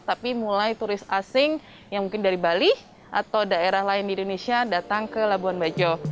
tapi mulai turis asing yang mungkin dari bali atau daerah lain di indonesia datang ke labuan bajo